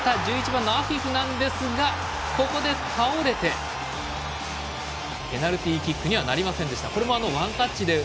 １１番のアフィフなんですがここで倒れてペナルティーキックにはなりませんでした。